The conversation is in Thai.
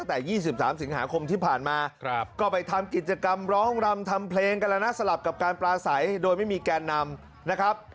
แต่๒๓สิงหาคมที่ผ่านมาก็ไปทำกิจกรรมร้องรำทำเพลงกันแล้วนะสลับกับการปลาใสโดยไม่มีแกนนำนะครับ